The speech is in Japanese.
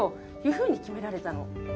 ふうに決められたの。